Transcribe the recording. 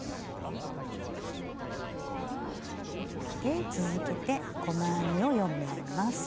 で続けて細編みを４目編みます。